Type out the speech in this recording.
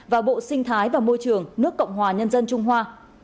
và bộ sinh thái và môi trường nước cộng hòa nhân dân trung hoa